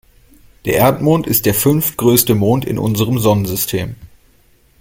Der Erdmond ist der fünftgrößte Mond in unserem Sonnensystem.